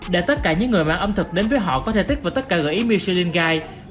để tất cả những người mang âm thực đến với họ có thể tích vào tất cả gợi ý michelin guide